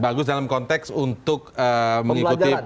bagus dalam konteks untuk mengikuti